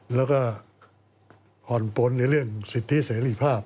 แล้วก็ผ่อนปนในเรื่องสิทธิเสรีภาพ